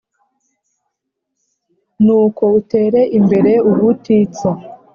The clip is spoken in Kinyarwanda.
Nuko utere imbere ubutitsa